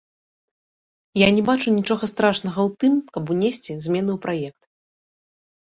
Я не бачу нічога страшнага ў тым, каб унесці змены ў праект.